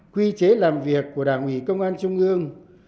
quy chế làm việc của đảng ủy công an trung ương